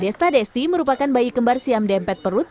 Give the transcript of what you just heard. desta desti merupakan bayi kembar siam dempet perut